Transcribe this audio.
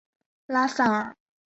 拉塞尔。